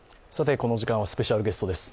この時間はスペシャルゲストです。